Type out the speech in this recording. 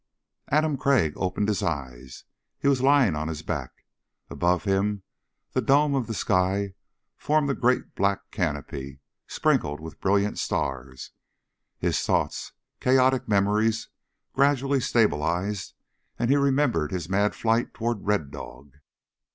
Adam Crag opened his eyes. He was lying on his back. Above him the dome of the sky formed a great black canopy sprinkled with brilliant stars. His thoughts, chaotic memories, gradually stabilized and he remembered his mad flight toward Red Dog.